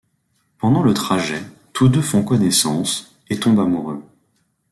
Pendant le trajet, tous deux font connaissance, et tombent amoureux.